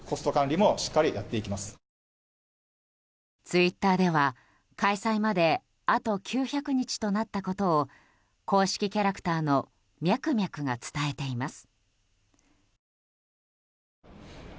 ツイッターでは開催まであと９００日となったことを公式キャラクターのミャクミャクが伝えています。